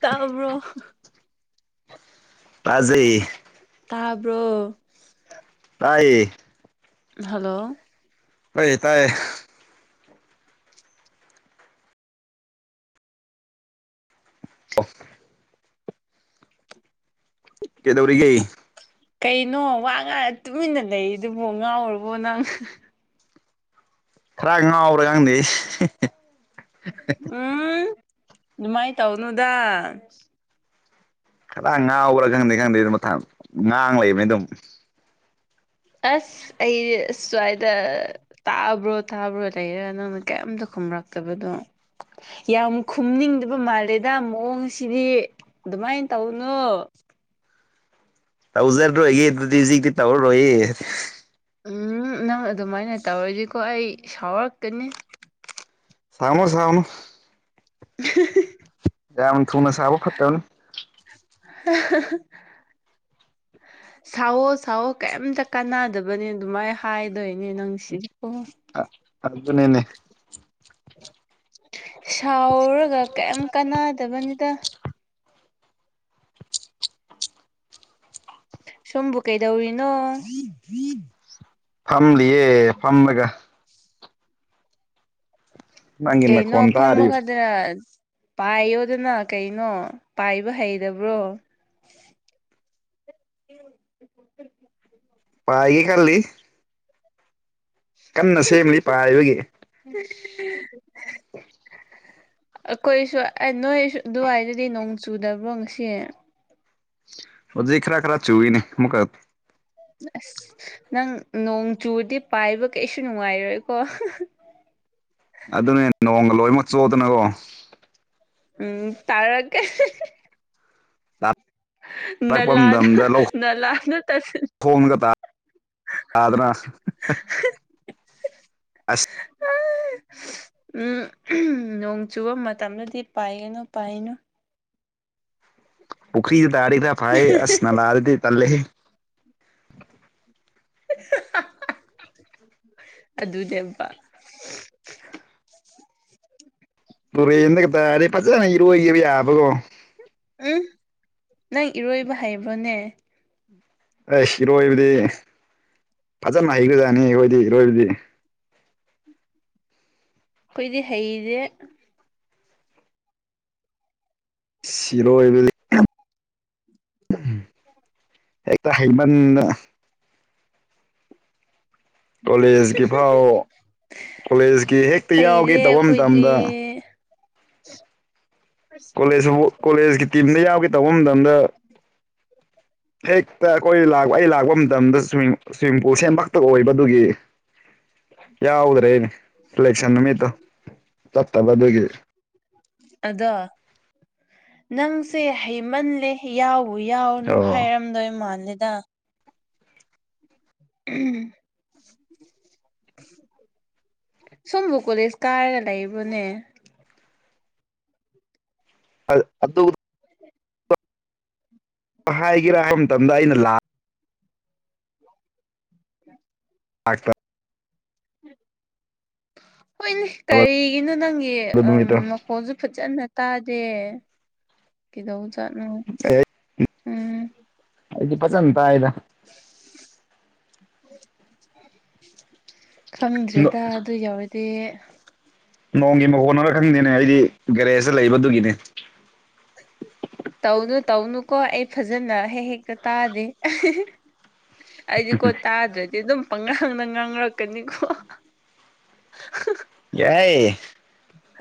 ꯇꯥꯕ꯭ꯔꯣ ꯇꯥꯖꯩꯌꯦ ꯇꯥꯕ꯭ꯔꯣ ꯇꯥꯏꯌꯦ ꯍꯜꯂꯣ ꯇꯥꯏꯌꯦ ꯇꯥꯏꯌꯦ ꯑꯣ ꯀꯦꯗꯧꯔꯤꯒ‌ꯦ ꯀꯩꯅꯣ ꯋꯥ ꯉꯥꯡꯉ ꯇꯨꯃꯤꯟꯅ ꯂꯩꯔꯤꯗꯨꯕꯣ ꯉꯥꯎꯔꯕꯣ ꯅꯪ ꯈꯔ ꯉꯥꯎꯕ꯭ꯔꯥ ꯈꯪꯗ‌ꯦ ꯎꯝ ꯗꯨꯃꯥꯏ ꯇꯧꯅꯨꯗ ꯈꯔ ꯉꯥꯎꯕ꯭ꯔꯥ ꯈꯪꯗꯦ ꯈꯪꯗꯦ ꯑꯗꯨꯝ ꯃꯊꯟ ꯉꯥꯡ ꯂꯩꯕꯅꯦ ꯑꯗꯨꯝ ꯑꯁ ꯑꯩꯖ‌ꯦ ꯁ꯭ꯋꯥꯏꯗ ꯇꯥꯕ꯭ꯔꯣ ꯇꯥꯕ꯭ꯔꯣ ꯂꯩꯔꯒ ꯅꯪꯅ ꯀꯩꯝꯇ ꯈꯨꯝꯔꯛꯇꯕꯗꯣ ꯌꯥꯝ ꯈꯨꯝꯅꯤꯡꯗꯕ ꯃꯥꯜꯂꯦꯗ ꯃꯑꯣꯡꯁꯤꯗꯤ ꯑꯗꯨꯃꯥꯏ ꯇꯧꯅꯣ ꯇꯧꯖꯔꯣꯏꯌꯦ ꯑꯗꯨꯗꯤ ꯍꯨꯖꯤꯛꯇꯤ ꯇꯧꯔꯔꯣꯏꯌꯦ ꯎꯝ ꯅꯪ ꯑꯗꯨꯃꯥꯏꯅ ꯇꯧꯔꯗꯤꯀꯣ ꯑꯩ ꯁꯥꯎꯔꯛꯀꯅꯤ ꯁꯥꯎꯅꯨ ꯁꯥꯎꯅꯨ [unintelligible] ꯌꯥꯝ ꯊꯨꯅ ꯁꯥꯎꯕ ꯐꯠꯇꯕꯅꯤ [unintelligible] ꯁꯥꯎꯋꯣ ꯁꯥꯎꯋꯣ ꯀꯩꯝꯇ ꯀꯥꯟꯅꯗꯕꯅꯦ ꯑꯗꯨꯃꯥꯏ ꯍꯥꯏꯗꯣꯏꯅꯤ ꯅꯪꯁꯤꯗꯤꯀꯣ ꯑ ꯑ ꯑꯗꯨꯅꯤꯅꯦ ꯁꯥꯎꯔꯒ ꯀꯩꯝ ꯀꯥꯟꯅꯗꯕꯅꯤꯗ ꯁꯣꯝꯕꯨ ꯀꯩꯗꯧꯔꯤꯅꯣ ꯐꯝꯂꯤꯌꯦ ꯐꯝꯂꯒ ꯅꯪꯒꯤ ꯀꯩꯅꯣ ꯅꯈꯣꯟ ꯐꯝꯕ ꯇꯥꯔꯤ ꯈꯇꯔꯥ ꯄꯥꯏꯌꯣꯗꯅ ꯀꯩꯅꯣ ꯄꯥꯏꯕ ꯍꯩꯔꯕ꯭ꯔꯣ ꯄꯥꯏꯒꯦ ꯈꯜꯂꯤ ꯀꯟꯅ ꯁꯦꯝꯂꯤ ꯄꯥꯏꯕꯒꯤ [unintelligible] [inaudible] ꯑꯩꯈꯣꯏꯁꯨ ꯅꯣꯏꯁꯨ ꯑꯗꯨꯋꯥꯏꯗꯗꯤ ꯅꯣꯡ ꯆꯨꯗꯕ꯭ꯔꯣ ꯉꯁꯤ ꯍꯧꯖꯤꯛ ꯈꯔ ꯈꯔ ꯆꯨꯏꯅꯦ ꯑꯃꯨꯛꯀ ꯑꯁ ꯅꯪ ꯅꯣꯡ ꯆꯨꯔꯗꯤ ꯄꯥꯏꯕ ꯀꯩꯁꯨ ꯅꯨꯡꯉꯥꯏꯔꯣꯏꯀꯣ ꯑꯗꯨꯅꯦ ꯅꯣꯡꯒ ꯂꯣꯏꯃꯛ ꯆꯣꯠꯗꯅꯀꯣ ꯎꯝ ꯇꯥꯔꯛꯀꯦ ꯅꯂꯥꯗ ꯅꯂꯥꯗ ꯇꯁꯤꯜꯂ [unintelligible] ꯑꯥꯗꯅ [unintelligible] ꯎꯝ ꯅꯣꯡ ꯆꯨꯕ ꯃꯇꯝꯗꯗꯤ ꯄꯥꯏꯒꯅꯨ ꯄꯥꯏꯅꯨ ꯄꯨꯈ꯭ꯔꯤꯗ ꯇꯔꯥꯗꯤ ꯃꯌꯥꯝ ꯐꯥꯢꯌꯦ ꯑꯁ ꯅꯂꯥꯗꯗꯤ ꯇꯜꯂꯦꯍꯦ ꯑꯗꯨꯅꯦꯕꯥ ꯇꯨꯔꯦꯟꯗꯩ ꯇꯔꯗꯤ ꯐꯖꯅ ꯏꯔꯣꯢꯒꯤꯕ ꯌꯥꯕꯀꯣ ꯎꯝ ꯅꯪ ꯏꯔꯣꯏꯕ ꯍꯩꯕ꯭ꯔꯣꯅꯦ ꯑꯦꯁ ꯏꯔꯣꯏꯕꯗꯤ ꯐꯖꯅ ꯍꯩꯈ꯭ꯔꯖꯥꯅꯤ ꯢꯔꯣꯢꯗꯤ ꯏꯔꯣꯏꯕꯗꯤ ꯈꯣꯏꯗꯤ ꯍꯩꯔꯦ ꯢꯁ ꯢꯔꯣꯢꯕꯗꯤ ꯍꯦꯛꯇ ꯍꯩꯃꯟꯗꯅ ꯀꯣꯂꯦꯖꯀꯤ ꯕꯥꯎ ꯀꯣꯂꯦꯖꯀꯤ ꯍꯦꯛꯇ ꯍꯩꯔꯦ ꯌꯥꯎꯒꯦ ꯇꯧꯕ ꯃꯇꯝꯗ ꯑꯩꯈꯣꯏꯗꯤ ꯀꯣꯂꯦꯖ ꯀꯣꯂꯦꯖꯀꯤ ꯇꯤꯝꯗ ꯌꯥꯎꯒꯦ ꯇꯧꯕ ꯃꯇꯝꯗ [inaudible] ꯍꯦꯛꯇ ꯑꯩꯈꯣꯏ ꯂꯥꯛ ꯑꯩ ꯂꯥꯛꯄ ꯃꯇꯝꯗ ꯁ꯭ꯋꯤꯝ ꯁ꯭ꯋꯤꯝꯄꯨꯜ ꯁꯦꯝꯕ ꯈꯛꯇ ꯑꯣꯏꯕ ꯗꯨꯒꯤ [inaudible] ꯌꯥꯎꯗ꯭ꯔꯦꯅꯦ ꯢꯂꯦꯛꯁꯟ ꯅꯨꯃꯤꯠꯇꯣ ꯆꯠꯇꯕ ꯑꯗꯨꯒꯤ ꯑꯗꯣ ꯅꯪꯁꯦ ꯍꯩꯃꯜꯂꯦ ꯌꯥꯎꯕꯨ ꯌꯥꯎꯅꯨ ꯑꯣ ꯍꯥꯏꯔꯝꯗꯣꯏ ꯃꯥꯥꯟꯂꯦꯗ ꯎꯝ ꯁꯨꯝꯕꯨ ꯀꯣꯂꯦꯖ ꯀꯥꯔꯒ ꯂꯩꯕ꯭ꯔꯣꯅꯦ ꯑꯥ ꯑꯇꯨꯝ ꯍꯥꯏꯒꯦꯔꯥ ꯍꯥꯏꯕ ꯃꯇꯝꯗ ꯑꯩꯅ ꯂꯥꯛ [unintelligible] ꯍꯣꯏꯅꯦ ꯀꯔꯤꯒꯤꯅꯣ ꯅꯪꯒꯤ ꯑꯗꯨ ꯑꯝ ꯅꯨꯃꯤꯠꯇꯣ ꯃꯈꯣꯟꯁꯨ ꯐꯖꯟꯅ ꯇꯥꯗꯦ ꯀ‌ꯦꯗꯧꯕ ꯖꯥꯠ ꯅ‌ꯣ ꯑꯦ ꯎꯝ ꯑꯩꯗꯤ ꯐꯖꯟ ꯇꯥꯏꯗ [inaudible] ꯈꯪꯗ꯭ꯔꯦꯗ ꯑꯗꯨ ꯌꯧꯔꯗꯤ ꯅꯣꯡꯒꯤ ꯃꯈꯣꯟꯅꯔ ꯈꯪꯗꯦꯅꯦ ꯑꯩꯗꯤ ꯒꯦꯔꯦꯖꯇ ꯂꯩꯕ ꯑꯗꯨꯒꯤꯅꯦ ꯇꯧꯅꯨ ꯇꯧꯅꯨꯀꯣ ꯑꯩ ꯐꯖꯅ ꯍꯦꯛ ꯍꯦꯛꯀ ꯇꯥꯗꯦ ꯑꯩꯗꯤ ꯀꯣ ꯇꯗ꯭ꯔꯗꯤ ꯑꯗꯨꯝ ꯄꯉꯥꯡꯗ ꯉꯥꯡꯔꯛ ꯀꯅꯤꯀꯣ ꯌꯥꯏ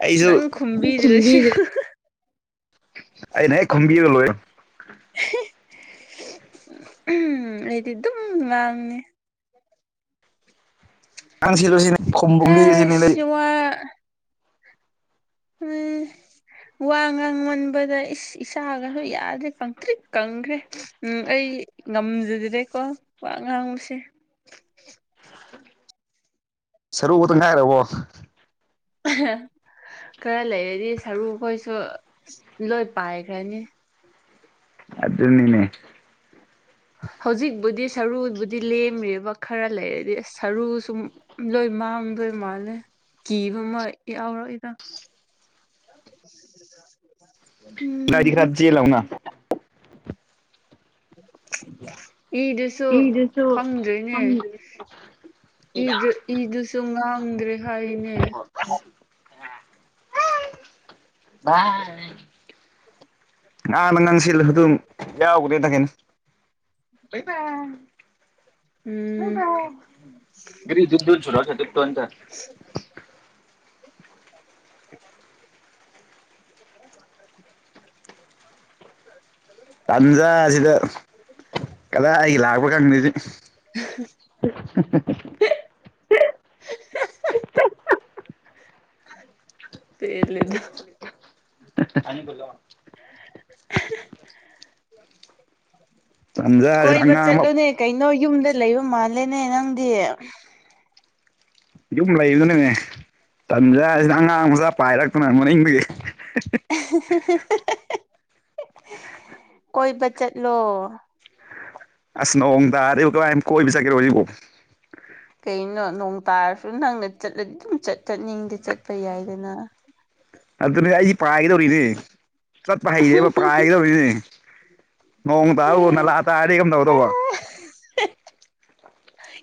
ꯑꯩꯖꯨ ꯈꯨꯝꯕꯤꯗ꯭ꯔꯁꯨ [unintelligible] ꯑꯩꯅꯦ ꯍ‌ꯦꯛ ꯈꯨꯝꯕꯤꯔ ꯂꯣꯏ ꯎꯝ ꯑꯩꯗꯤ ꯗꯨꯝ ꯉꯥꯡꯅꯤ ꯉꯥꯡꯁꯤꯂꯨ ꯁꯤꯅꯦ ꯈꯣꯝꯕꯣꯝꯕꯤꯒꯤꯖꯤꯅ‌ꯦ ꯂꯩ ꯍꯁ ꯋꯥ ꯎꯝ ꯋꯥ ꯉꯥꯡꯃꯟꯕꯗ ꯏꯁ ꯏꯁꯥꯒꯁꯨ ꯌꯥꯗ꯭ꯔꯦ ꯀꯪꯇ꯭ꯔꯤꯛ ꯀꯪꯈ꯭ꯔꯦ ꯎꯝ ꯑꯩ ꯉꯝꯖꯗꯔꯦꯀꯣ ꯋꯥ ꯉꯥꯡꯕꯁꯦ ꯁꯔꯨ ꯈꯇ ꯉꯥꯏꯔꯕꯣ ꯈꯔ ꯂꯩꯔꯗꯤ ꯁꯔꯨꯈꯣꯏꯁꯨ ꯂꯣꯏ ꯄꯥꯏꯈ꯭ꯔꯅꯤ ꯑꯗꯨꯅꯤꯅꯦ ꯍꯧꯖꯤꯛꯕꯨꯗꯤ ꯁꯔꯨꯕꯨꯗꯤ ꯂꯦꯝꯃꯤꯕ ꯈꯔ ꯂꯩꯔꯗꯤ ꯏꯁ ꯁꯔꯨ ꯁꯨꯝ ꯂꯣꯏ ꯃꯥꯡꯗꯣꯏ ꯃꯥꯜꯂꯦ ꯀꯤꯕ ꯑꯃꯥ ꯌꯥꯎꯔꯛꯏꯗ [inaudible] ꯀꯤꯗꯥꯏꯗꯤ ꯈꯔ ꯎꯝ ꯑꯝ ꯆ‌ꯦ ꯂꯥꯎꯅ ꯏꯗꯨꯁꯨ ꯏ ꯗꯁꯨ ꯈꯪꯗ꯭ꯔꯦꯅꯦ ꯈꯪꯗꯔ‌ꯦ ꯏꯗꯨ ꯏꯗꯨꯁꯨ ꯉꯥꯡꯗ꯭ꯔꯦ ꯍꯥꯏꯅꯦ [unintelligible] [unintelligible] ꯉꯍꯥꯟꯅ ꯉꯥꯡꯁꯤꯜ ꯂꯁꯨ ꯗꯨꯝ ꯌꯥꯎꯒꯗ‌ꯣꯏꯗ ꯀꯩꯅꯣ [unintelligible] ꯎꯝ [unintelligible] [inaudible] ꯇꯟꯖꯥ ꯁꯤꯗ ꯀꯗꯥꯏ ꯒꯤ ꯂꯥꯛꯄꯔ ꯈꯪꯗ‌ꯦ ꯁꯤ ꯇ‌ꯦꯜꯂ‌ꯦꯗ ꯑꯅꯤ ꯀꯨꯜꯂꯣ ꯇꯟꯖꯥꯁꯤꯗ ꯀꯣꯏꯕ ꯑꯉꯥꯡ ꯑꯃ ꯆꯠꯂꯨꯅꯦ ꯀꯩꯅꯣ ꯌꯨꯝꯗ ꯂꯩꯕ ꯃꯥꯜꯂꯦꯅꯦ ꯅꯪꯗꯤ ꯌꯨꯝ ꯂꯩꯕꯅꯦ ꯇꯟꯖ ꯖꯤꯗ ꯑꯉꯥꯡ ꯃꯆꯥ ꯄꯥꯏꯔꯛꯇꯅ ꯃꯅꯤꯡꯗꯒꯤ ꯀꯣꯏꯕ ꯆꯠꯂꯣ ꯑꯁ ꯅꯣꯡ ꯇꯥꯔ‌ꯦ ꯑꯩꯕꯨ ꯀꯃꯥꯏꯟ ꯀꯣꯏꯕ ꯆꯠꯀ‌ꯦꯔꯣ ꯍꯨꯖꯤꯛꯒ‌ꯣ ꯀꯩꯅꯣ ꯅꯣꯡ ꯇꯥꯔꯁꯨ ꯅꯪꯅ ꯆꯠꯂꯗꯤ ꯑꯗꯨꯝ ꯆꯠ ꯆꯠꯅꯤꯡꯗꯤ ꯆꯠꯄ ꯌꯥꯏꯗꯅ ꯑꯗꯨꯅꯦ ꯑꯩ ꯄꯥꯥꯏꯒꯗꯧꯔꯤꯅꯦ ꯆꯠꯄ ꯍꯩꯔꯦꯕ ꯄꯏꯒꯗꯧꯔꯤꯅꯦ ꯅꯣꯡ ꯇꯥꯕꯨ ꯅꯂꯥ ꯇꯥꯗꯤ ꯀꯝꯗꯧ ꯗꯧꯕ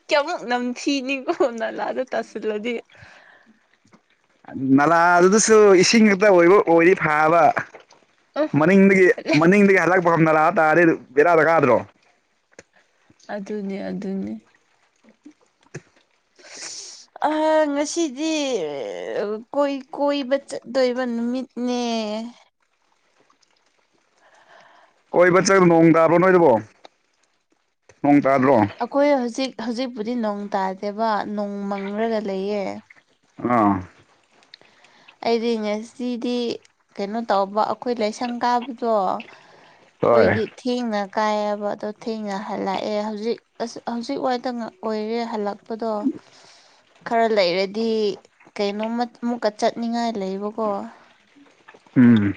ꯀꯌꯥꯃꯨꯛ ꯅꯝꯊꯤ ꯅꯤꯀ‌ꯣ ꯅꯂꯥꯗ ꯇꯥꯁꯜꯂꯗꯤ ꯅꯂꯥ ꯑꯗꯨꯗꯁꯨ ꯏꯁꯤꯡ ꯉꯛꯇ ꯑꯣꯏꯕ ꯑꯣꯏꯔꯤ ꯐꯥꯕ ꯃꯅꯤꯡꯗꯒꯤ ꯃꯅꯤꯡꯗꯒꯤ ꯍꯜꯂꯛꯄ ꯅꯂꯥ ꯇꯥꯔꯗꯤ ꯕꯦꯔꯥꯗ ꯀꯥꯗ꯭ꯔꯣ ꯑꯗꯨꯅꯦ ꯑꯗꯨꯅꯦ [unintelligible] ꯑꯍꯥ ꯉꯁꯤꯗꯤ ꯀꯣꯏ ꯀꯣꯏꯕ ꯆꯠꯇꯣꯏꯕ ꯅꯨꯃꯤꯠꯅꯦ ꯀꯣꯏꯕ ꯆꯠ ꯅꯣꯡ ꯇꯥꯕ꯭ꯔꯣ ꯅꯣꯏꯗꯨꯕꯣ ꯅꯣꯡ ꯇꯥꯗ꯭ꯔꯣ ꯑꯈꯣꯏ ꯍꯧꯖꯤꯛ ꯍꯧꯖꯤꯛꯄꯨꯗꯤ ꯅꯣꯡ ꯇꯥꯗꯦꯕ ꯅꯣꯡ ꯃꯪꯔꯒ ꯂꯩꯌꯦ ꯑ ꯑꯩꯗꯤ ꯉꯁꯤꯗꯤ ꯀꯩꯅꯣ ꯇꯧꯕ ꯑꯈꯣꯏ ꯂꯥꯏꯁꯪ ꯀꯥꯕꯗꯣ ꯍꯣꯏ ꯑꯈꯣꯏꯗꯤꯠ ꯊꯦꯡꯅ ꯀꯥꯏꯑꯕ ꯑꯗꯣ ꯊꯦꯡꯅ ꯍꯜꯂꯛꯑꯦ ꯍꯧꯖꯤꯛ ꯑꯁ ꯍꯧꯖꯤꯛ ꯋꯥꯏꯗ ꯉ‌ ꯑꯣꯏꯔꯤ ꯍꯜꯂꯛ ꯄꯗꯣ ꯈꯔ ꯂꯩꯔꯗꯤ ꯀꯩꯅꯣꯃ ꯀ ꯆꯠꯅꯤꯡꯉꯥꯏ ꯂꯩꯑꯦꯕꯀꯣ ꯎꯝ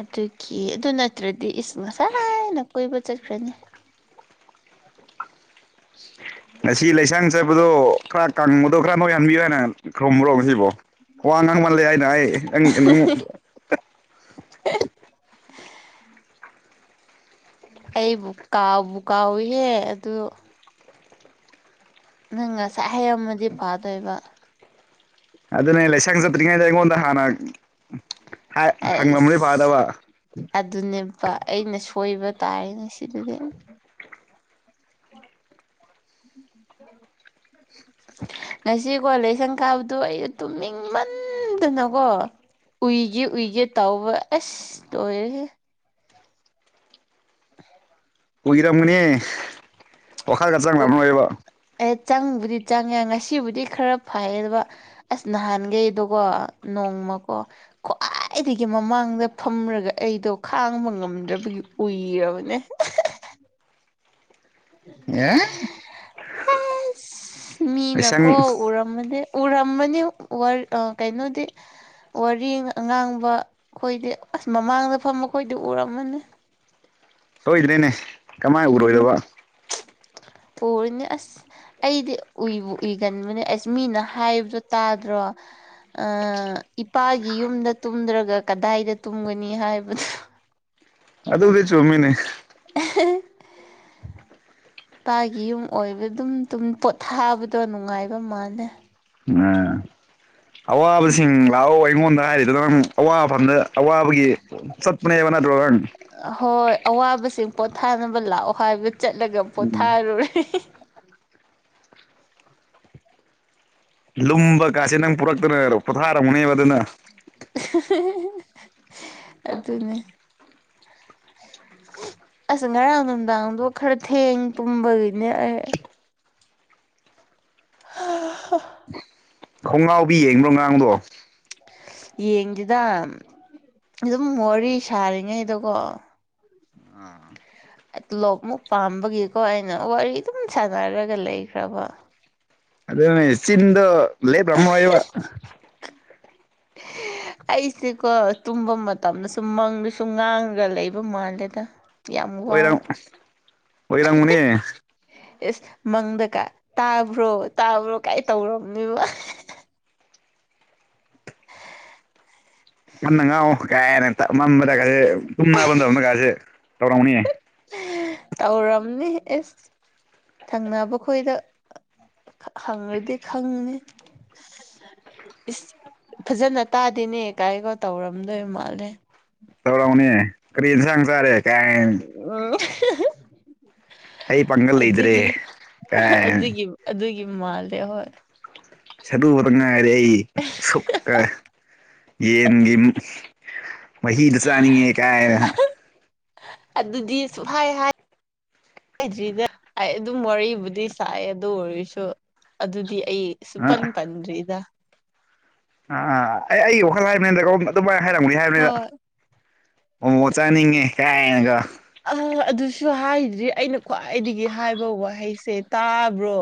ꯑꯗꯨꯒꯤ ꯑꯗꯨ ꯅꯠꯇ꯭ꯔꯗꯤ ꯏꯁ ꯉꯁꯥꯏꯅ ꯀꯣꯏꯕ ꯆꯠꯈ꯭ꯔꯅꯤ [inaudible] ꯉꯁꯤ ꯂꯩꯁꯩ ꯆꯠꯄꯔꯣ ꯈꯔ ꯀꯪꯕꯗꯣ ꯈꯔ [unintelligible] ꯈꯪꯕ꯭ꯔꯣ ꯉꯁꯤꯕꯣ ꯋꯥ ꯉꯥꯡ ꯃꯥꯜꯂꯦ ꯍꯥꯏꯅ ꯍꯥꯏ [unintelligible] ꯑꯩꯕꯨ ꯀꯥꯎꯕꯨ ꯀꯥꯎꯌꯤꯌꯦ ꯑꯗꯨ ꯅꯪ ꯉꯁꯥꯏ ꯍꯩꯔꯝꯃꯗꯤ ꯐꯥꯗꯣꯏꯕ ꯑꯗꯨꯅꯦ ꯂꯥꯏꯁꯪ [unintelligible] ꯑꯩꯉꯣꯟꯗ ꯍꯥꯟꯅ ꯍꯪꯂꯝꯕꯗꯤ ꯑꯁ ꯐꯥꯗꯕ ꯑꯗꯨꯅꯦꯕ ꯑꯩꯅ ꯁꯣꯏꯕ ꯇꯥꯑꯅꯦ ꯁꯤꯗꯗꯤ ꯉꯁꯤ ꯀꯣ ꯂꯥꯏꯁꯪ ꯀꯥꯕꯗꯨ ꯑꯩ ꯇꯨꯅꯤꯡꯃꯟꯗꯨꯅꯀꯣ ꯎꯏꯒꯦ ꯎꯏꯒꯦ ꯇꯥꯎꯕ ꯑꯁ ꯂꯣꯏꯔꯦꯍꯦ ꯑꯨꯏꯔꯝꯒꯅꯤ ꯋꯥꯈꯜꯒ ꯑꯣ ꯆꯪꯂꯝ ꯃꯣꯏꯕ ꯑꯦ ꯆꯪꯕꯨꯗꯤ ꯆꯪꯉꯦ ꯉꯁꯤꯕꯨꯗꯤ ꯈꯔ ꯐꯩꯌꯦꯕ ꯑꯁ ꯅꯍꯥꯟꯒꯩꯗꯣꯀꯣ ꯅꯣꯡꯃꯀꯣ ꯈ꯭ꯋꯥꯏꯗꯒꯤ ꯃꯃꯥꯡꯗ ꯐꯝꯔꯒ ꯑꯩꯗꯣ ꯈꯥꯡꯕ ꯉꯝꯗ꯭ꯔꯕꯒꯤ ꯎꯏꯔꯕꯅꯦ ꯑꯦ ꯑꯁ ꯃꯤꯅꯀꯣ ꯂꯥꯏꯁꯪ ꯎꯔꯝꯃꯗꯤ ꯎꯔꯝꯃꯅꯤ ꯋꯔ ꯑ ꯀꯩꯅꯣꯗꯤ ꯋꯥꯔꯤ ꯑ ꯉꯥꯡꯕ ꯈꯣꯏꯗꯤ ꯑꯁ ꯃꯃꯥꯡꯗ ꯐꯝꯕ ꯈꯣꯏꯗꯤ ꯎꯔꯝꯃꯅꯤ ꯁꯣꯏꯗ꯭ꯔꯦꯅꯦ ꯀꯃꯥꯏꯅ ꯎꯝ ꯎꯔꯣꯏꯗꯕ ꯎꯔꯅꯤ ꯑꯁ ꯑꯩꯗꯤ ꯑꯨꯏꯕꯨ ꯑꯨꯏꯒꯟꯕꯅꯦ ꯑꯁ ꯃꯤꯅ ꯍꯥꯏꯕꯗꯣ ꯇꯥꯗ꯭ꯔꯣ ꯑ ꯏꯄꯥꯒꯤ ꯌꯨꯝꯗ ꯇꯨꯝꯗ꯭ꯔꯒ ꯀꯗꯥꯏꯗ ꯇꯨꯝꯒꯅꯤ ꯍꯥꯏꯕꯗꯣ ꯑꯗꯨꯕꯨꯗꯤ ꯆꯨꯝꯃꯤꯅꯦ [inaudible] ꯏꯄꯥꯒꯤ ꯌꯨꯝ ꯑꯣꯏꯕ ꯑꯗꯨꯝ ꯇꯨꯝ ꯄꯣꯊꯥꯕꯗꯣ ꯅꯨꯡꯉꯥꯏꯕ ꯃꯥꯜꯂꯦ ꯉꯥ ꯑꯋꯥꯕꯁꯤꯡ ꯂꯥꯛꯑꯣ ꯑꯩꯉꯣꯟꯗ ꯍꯥꯏꯔꯤꯗꯨ ꯅꯪ ꯑꯋꯥꯐꯝꯗ ꯑꯋꯥ ꯕꯒꯤ ꯁꯠꯄꯅꯦꯕ ꯅꯠꯇ꯭ꯔꯣ ꯅꯪ ꯍꯣꯏ ꯑꯋꯥꯕꯁꯤꯡ ꯄꯣꯊꯥꯅꯕ ꯂꯥꯛꯑꯣ ꯍꯥꯏꯕ ꯆꯠꯂꯒ ꯄꯣꯊꯥꯔꯨꯔꯦ ꯂꯨꯝꯕ ꯀꯥꯁꯦ ꯅꯪ ꯄꯨꯔꯛꯇꯅ ꯄꯣꯊꯥꯔꯝꯃꯅꯦꯕ ꯑꯗꯨꯅ ꯑꯗꯨꯅꯦ ꯑꯁ ꯉꯔꯥꯡ ꯅꯨꯡꯗꯥꯡꯗꯣ ꯈꯔ ꯊꯦꯡ ꯄꯨꯝꯕꯒꯤꯅꯦ ꯑꯩ [unintelligible] ꯈꯣꯡꯒꯥꯎꯕꯤ ꯌꯦꯡꯕ꯭ꯔꯣ ꯉꯔꯥꯡꯗꯣ ꯌꯦꯡꯗꯦꯗ ꯑꯗꯨꯝ ꯋꯥꯔꯤ ꯁꯥꯔꯤꯉꯩꯗꯀꯣ ꯑꯥ ꯇꯣꯂꯣꯞ ꯑꯃꯨꯛ ꯄꯥꯝꯕꯒꯤꯀꯣ ꯑꯩꯅ ꯋꯥꯔꯤ ꯑꯗꯨꯝ ꯁꯥꯟꯅꯔꯒ ꯂꯩꯈ꯭ꯔꯕ ꯑꯗꯨꯅꯦ ꯆꯤꯟꯗꯣ ꯂꯦꯄꯔꯝꯃꯣꯏꯕ ꯑꯩꯁꯦꯀꯣ ꯇꯨꯝꯕ ꯃꯇꯝꯗ ꯁꯨꯝ ꯃꯪꯗꯁꯨꯨꯝ ꯉꯥꯡꯉꯒ ꯂꯩꯕ ꯃꯥꯜꯂꯦꯗ ꯌꯥꯝ ꯋꯥꯏ ꯑꯣꯏꯔꯝ ꯑꯣꯏꯔꯝꯒꯅꯤ ꯏꯁ ꯃꯪꯗꯀ ꯇꯥꯕ꯭ꯔꯣ ꯇꯥꯕ꯭ꯔꯣ ꯀꯥꯏ ꯇꯧꯅꯦꯕ ꯇꯞꯅ ꯉꯥꯡꯉꫭ ꯀꯥꯏꯅ ꯃꯕꯗꯀꯥꯁꯦ ꯇꯨꯝꯅ ꯃꯇꯝꯗ ꯀꯥꯁꯦ ꯇꯧꯔꯝꯒꯅꯤꯅꯦ ꯇꯧꯔꯝꯅꯤ ꯑꯦꯁ ꯊꯪꯅꯕ ꯈꯣꯏꯗ ꯍꯪꯔꯗꯤ ꯈꯪꯅꯤ ꯏꯁ ꯐꯖꯅ ꯇꯥꯗꯦꯅꯦ ꯀꯥꯏꯒꯣ ꯇꯧꯔꯝꯗꯣꯏ ꯃꯥꯜꯂꯦ ꯇꯧꯔꯃꯒꯅꯤꯌꯦ ꯀꯔꯤ ꯑꯦꯟꯁꯥꯡ ꯆꯥꯔꯦ ꯀꯥꯏ [unintelligible] ꯑꯩ ꯄꯥꯡꯒꯜ ꯂꯩꯇꯔꯦ ꯑꯗꯨꯒꯤ ꯀꯥꯏ ꯑꯗꯨꯒꯤ ꯑꯗꯨꯒꯤ ꯃꯥꯜꯂꯦꯕ ꯍꫭꯏ ꯍꯗꯨ ꯈꯛꯇ ꯉꯏꯔꯦ ꯑꯩ ꯁꯨꯞꯀ ꯌꯦꯟ ꯒꯤ ꯃꯍꯤꯗꯨ ꯆꯥꯅꯤꯡꯉꯤ ꯀꯥꯏꯅ ꯑꯗꯨꯗꯤ ꯁꯨꯞ ꯍꯥꯏ ꯍꯥꯏꯗ꯭ꯔꯤꯗ ꯑꯗꯨꯝ ꯋꯥꯔꯤꯕꯨꯗꯤ ꯁꯥꯏꯑꯦ ꯑꯗꯨ ꯑꯣꯏꯔꯁꯨ ꯑꯗꯨꯗꯤ ꯑꯩ ꯑ ꯁꯨꯞꯄꯟ ꯄꯟꯗ꯭ꯔꯤꯗ ꯑꯥ ꯑꯥ ꯑꯩ ꯑꯩꯒꯤ ꯋꯥꯈꯜ ꯍꯥꯏꯕꯅꯤꯅꯗ ꯑꯗꯨꯃꯥꯏꯅ ꯍꯥꯏꯔꯝꯒꯅꯤ ꯍꯥꯏꯕꯅꯤꯅ ꯍꯣꯏ ꯃꯣꯃꯣ ꯆꯥꯅꯤꯡꯉꯦ ꯀꯥꯏꯅꯒ ꯑ ꯑꯗꯨꯁꯨ ꯍꯥꯏꯗ꯭ꯔꯤ ꯑꯩꯅ ꯈ꯭ꯋꯥꯏꯗꯒꯤ ꯍꯥꯏꯕ ꯋꯥꯍꯩꯁꯦ ꯇꯥꯕ꯭ꯔꯣ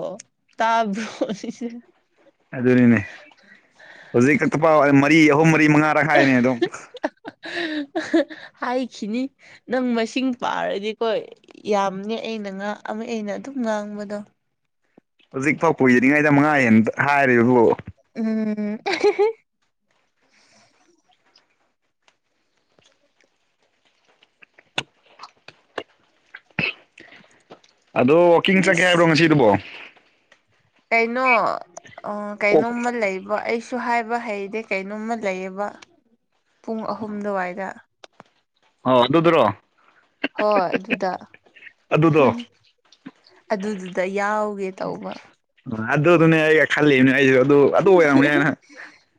ꯇꯥꯕ꯭ꯔꯣꯁꯦ ꯑꯗꯨꯅꯤꯅꯦ ꯍꯧꯖꯤꯛ ꯈꯛꯇꯐꯥꯎ ꯃꯔꯤ ꯑꯍꯨꯝ ꯃꯔꯤ ꯃꯉꯥꯔꯛ ꯍꯥꯏꯅꯤ ꯑꯗꯨꯝ ꯍꯥꯏꯈꯤꯅꯤ ꯅꯪ ꯃꯁꯤꯡ ꯄꯥꯔꯗꯤꯀꯣ ꯌꯥꯝꯅꯦ ꯑꯩꯅ ꯉ ꯑꯃ ꯑꯩꯅ ꯑꯗꯨꯝ ꯉꯥꯡꯕꯗꯣ ꯍꯧꯖꯤꯛꯐꯥꯎ [unintelligible] ꯃꯉꯥ ꯍꯦꯟ ꯍꯥꯏꯔꯤꯕꯨ ꯎꯝ ꯑꯗꯣ ꯋꯥꯀꯤꯡ ꯆꯠꯀꯦ ꯍꯥꯏꯕ꯭ꯔꯣ ꯑꯁ ꯉꯁꯤꯗꯨꯕꯣ ꯀꯩꯅꯣ ꯀꯩꯅꯣꯝꯃ ꯂꯩꯕ ꯑꯩꯁꯨ ꯁꯨ ꯍꯥꯏꯕ ꯍꯩꯇꯦ ꯀꯩꯅꯣꯝꯃ ꯂꯩꯌꯦꯕ ꯄꯨꯡ ꯑꯍꯨꯝ ꯑꯗꯨꯋꯥꯏꯗ ꯑꯣ ꯑꯗꯨꯗ꯭ꯔꯣ ꯍꯣꯏ ꯑꯗꯨꯗ ꯑꯗꯨꯗꯣ ꯑꯗꯨꯗꯨꯗ ꯌꯥꯎꯒꯦ ꯇꯧꯕ ꯑꯗꯨꯗꯨꯅꯦ ꯑꯩꯒ ꯈꯜꯂꯤꯝꯅꯦ ꯑꯖꯨ ꯑꯗꯨ ꯑꯣꯏꯔꯝꯅꯤ ꯍꯥꯏꯅ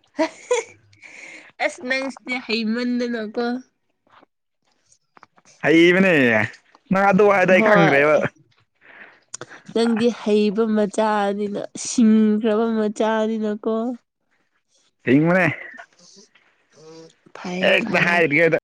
[inaudible] ꯑꯁ ꯅꯪꯁꯤꯗꯤ ꯍꯩꯃꯟꯗꯅꯀꯣ ꯍꯩꯕꯅꯦ ꯅꯪ ꯑꯗꯨ ꯋꯥꯍꯩꯗꯨ ꯑꯩ ꯍꯣꯏ ꯈꯪꯈ꯭ꯔꯦꯕ [inaudible] ꯅꯪꯗꯤ ꯍꯩꯕ ꯃꯆꯥꯅꯤꯅ ꯁꯤꯡꯈ꯭ꯔꯕ ꯃꯆꯥꯅꯤꯅꯀꯣ ꯁꯤꯡꯕꯅꯦ [inaudible] ꯍꯦꯛꯇ ꯐꯩꯌꯦ ꯍꯥꯏꯗꯤꯒꯩꯗ